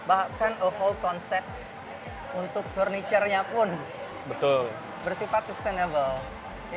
bahkan whole concept untuk furniture nya pun bersifat sustainable